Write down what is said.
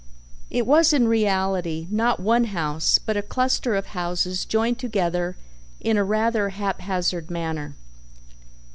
It was in reality not one house but a cluster of houses joined together in a rather haphazard manner.